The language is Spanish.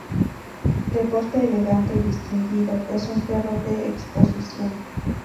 De porte elegante y distinguido, es un perro de exposición.